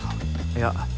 いや。